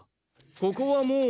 ここはもう。